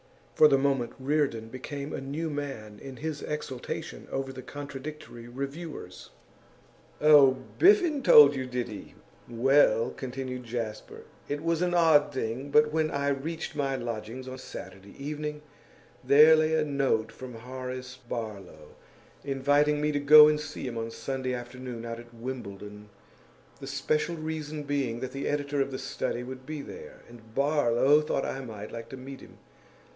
For the moment, Reardon became a new man in his exultation over the contradictory reviewers. 'Oh, Biffen told you, did he? Well,' continued Jasper, 'it was an odd thing, but when I reached my lodgings on Saturday evening there lay a note from Horace Barlow, inviting me to go and see him on Sunday afternoon out at Wimbledon, the special reason being that the editor of The Study would be there, and Barlow thought I might like to meet him.